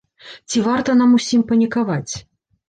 Ці варта нам усім панікаваць?